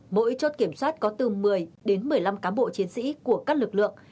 mỗi chốt kiểm soát có từ một mươi đến một mươi năm cán bộ chiến sĩ của các lực lượng